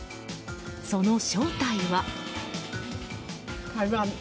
その正体は。